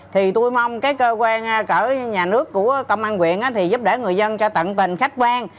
thì tôi mong cái cơ quan cỡ nhà nước của công an quyện thì giúp đỡ người dân cho tận tình khách quan